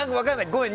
ごめん。